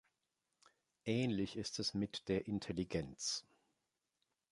Ähnlich ist es mit der Intelligenz.